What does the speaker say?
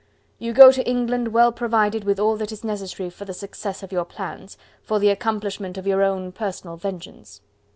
You go to England well provided with all that is necessary for the success of your plans, for the accomplishment of your own personal vengeance.